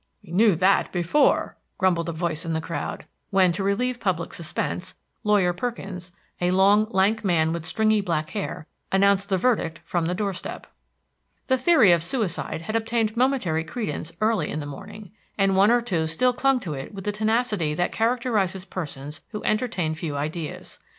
"We knew that before," grumbled a voice in the crowd, when, to relieve public suspense, Lawyer Perkins a long, lank man, with stringy black hair announced the verdict from the doorstep. The theory of suicide had obtained momentary credence early in the morning, and one or two still clung to it with the tenacity that characterizes persons who entertain few ideas.